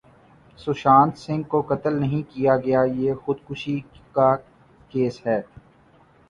سشانت سنگھ کو قتل نہیں کیا گیا یہ خودکشی کا کیس ہے